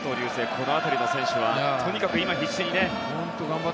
この辺りの選手はとにかく今、必死にね。